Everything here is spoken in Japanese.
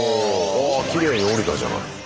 あきれいに降りたじゃない。